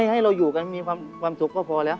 ให้เราอยู่กันมีความสุขก็พอแล้ว